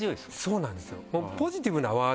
そうなんですよ。